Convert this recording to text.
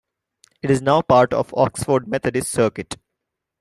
It is now part of Oxford Methodist Circuit.